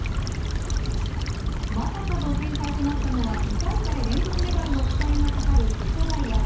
まさかの展開となったのは２大会連続メダルの期待がかかる瀬戸大也。